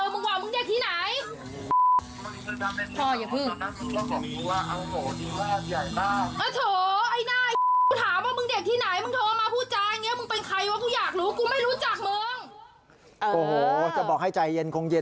ไม่ให้ตัวทำอะไรชอบเรื่องเงย